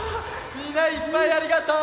みんないっぱいありがとう！